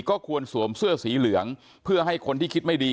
ก็ควรสวมเสื้อสีเหลืองเพื่อให้คนที่คิดไม่ดี